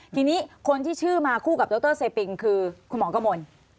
ทีนี้คนที่ชื่อมาคู่กับดรเซปิงคือคุณหมอกระมวล